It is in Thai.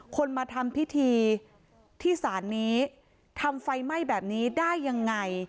คนมาทำพิธีที่ศาลนี้ทำไฟไหม้แบบนี้ได้ยังไง